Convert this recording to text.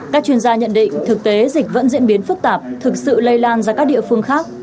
các chuyên gia nhận định thực tế dịch vẫn diễn biến phức tạp thực sự lây lan ra các địa phương khác